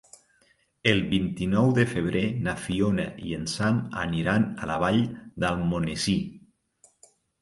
El vint-i-nou de febrer na Fiona i en Sam aniran a la Vall d'Almonesir.